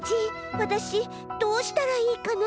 わたしどうしたらいいかな？